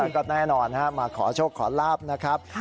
ก็แน่นอนมาขอโชคขอลาบนะครับ